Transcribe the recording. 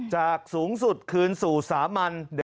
จากสูงสุดคืนสู่สามัญ